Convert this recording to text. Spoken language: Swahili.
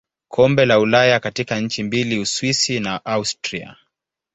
Kombe la Ulaya katika nchi mbili Uswisi na Austria.